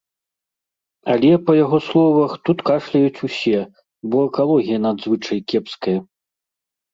Але, па яго словах, тут кашляюць усе, бо экалогія надзвычай кепская.